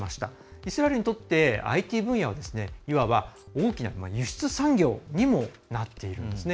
イスラエルにとってＩＴ分野はいわば大きな輸出産業にもなっているんですね。